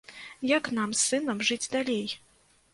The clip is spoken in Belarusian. Як нам з сынам жыць далей?